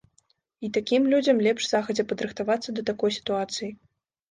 І такім людзям лепш загадзя падрыхтавацца да такой сітуацыі.